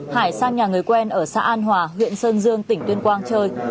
hải sang nhà người quen ở xã an hòa huyện sơn dương tỉnh tuyên quang chơi